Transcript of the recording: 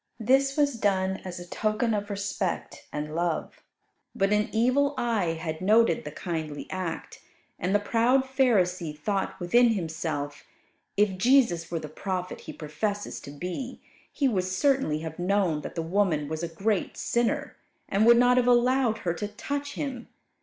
This was done as a token of respect and love. But an evil eye had noted the kindly act; and the proud Pharisee thought within himself, if Jesus were the prophet He professes to be, He would certainly have known that the woman was a great sinner, and would not have allowed her to touch Him.